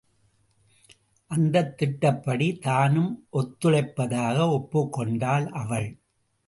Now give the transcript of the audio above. அந்தத் திட்டப்படி தானும் ஒத்துழைப்பதாக ஒப்புக் கொண்டாள் அவள்.